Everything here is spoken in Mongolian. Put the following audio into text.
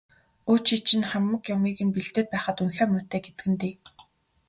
Өө, чи чинь хамаг юмыг нь бэлдээд байхад унхиа муутай гэдэг нь дээ.